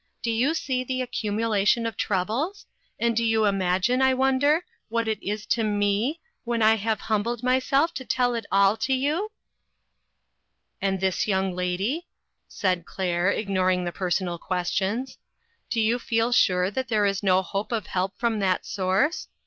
Do you see the accumulation of troubles? and do you imagine, I wonder, what it is to me, when I have humbled myself to tell it all to you?" " And this young lady ?" said Claire, ig noring the personal questions. " Do you feel sure that there is no hope of help from that source?